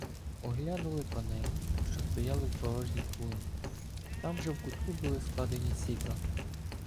Оглянули коней, що стояли в порожній клуні; там же в кутку були складені сідла.